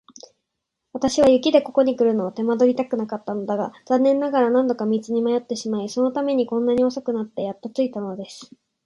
私は雪でここにくるのを手間取りたくなかったのだが、残念ながら何度か道に迷ってしまい、そのためにこんなに遅くなってやっと着いたのです。